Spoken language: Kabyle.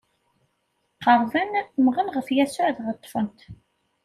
Qerrben, mmɣen ɣef Yasuɛ dɣa ṭṭfen-t.